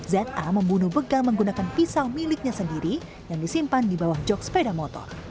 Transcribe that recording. za membunuh begal menggunakan pisau miliknya sendiri yang disimpan di bawah jog sepeda motor